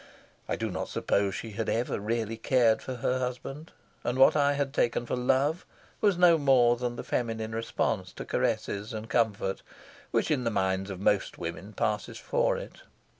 I do not suppose she had ever really cared for her husband, and what I had taken for love was no more than the feminine response to caresses and comfort which in the minds of most women passes for it.